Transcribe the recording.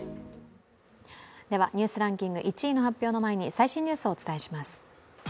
ニュースランキング１位発表の前に最新ニュースをお伝えします。